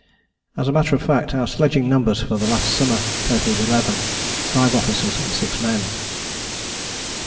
As a matter of fact our sledging numbers for the last summer totalled eleven, five officers and six men.